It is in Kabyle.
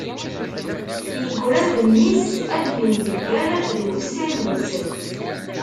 Yegra-d mmi-s ad yemdegger d wussan-is.